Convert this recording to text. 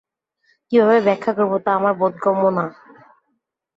কীভাবে ব্যাখ্যা করব তা আমার বোধগম্য না!